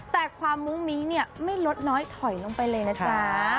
แต่ความมุ้งมิ้งเนี่ยไม่ลดน้อยถอยลงไปเลยนะจ๊ะ